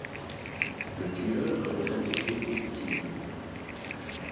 Le tueur a revendiqué victimes.